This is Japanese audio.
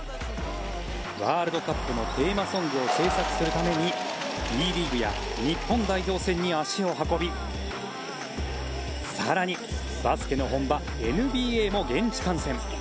ワールドカップのテーマソングを制作するためにＢリーグや日本代表戦に足を運び更に、バスケの本場ＮＢＡも現地観戦。